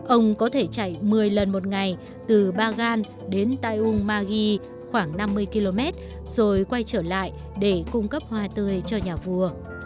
ông có thể chạy một mươi lần một ngày từ bagan đến tayung magi khoảng năm mươi km rồi quay trở lại để cung cấp hoa tươi cho nhà vua